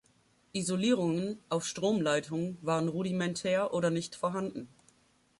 Isolierungen auf Stromleitungen waren rudimentär oder nicht vorhanden.